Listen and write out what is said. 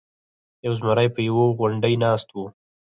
یو زمری په یوه غونډۍ ناست و.